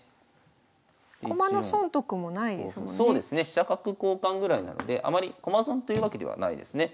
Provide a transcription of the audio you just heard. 飛車角交換ぐらいなのであまり駒損というわけではないですね。